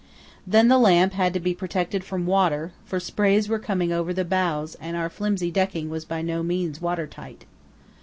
Then the lamp had to be protected from water, for sprays were coming over the bows and our flimsy decking was by no means water tight.